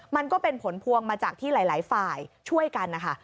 มันก็เป็นผลพวงมาจากที่หลายฝ่ายช่วยกันนะคะ